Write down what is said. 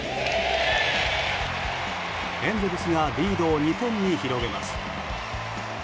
エンゼルスがリードを２点に広げます。